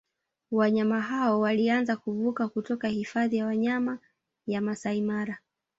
Wanyama hao walianza kuvuka kutoka Hifadhi ya Wanyama ya Maasai Mara